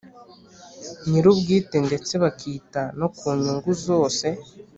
nyir ubwite ndetse bakita no ku nyungu zose